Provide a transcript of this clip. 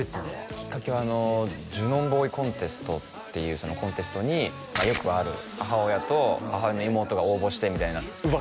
きっかけはあのジュノン・ボーイ・コンテストっていうコンテストにまあよくある母親と母親の妹が応募してみたいなうわ